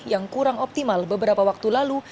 yang kurang optimal beberapa waktu lalu